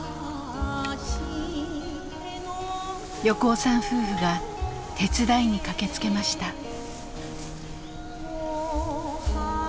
横尾さん夫婦が手伝いに駆けつけました。